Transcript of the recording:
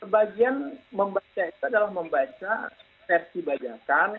bagian membaca itu adalah membaca versi bajakan